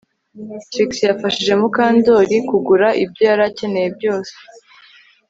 Trix yafashije Mukandoli kugura ibyo yari akeneye byose